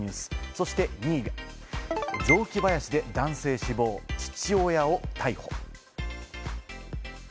そして２位、雑木林で男性死亡、父親を逮捕。